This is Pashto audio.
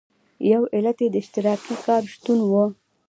یو علت یې د اشتراکي کار شتون و.